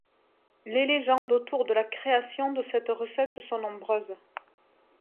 Les légendes autour de la création de cette recette sont nombreuses.